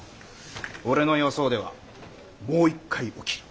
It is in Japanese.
俺の予想ではもう一回起きる。